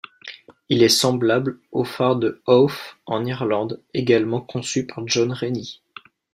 Il est semblable au Phare de Howth, en Irlande, également conçu par John Rennie.